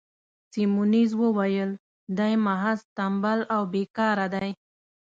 سیمونز وویل: دی محض ټمبل او بې کاره دی.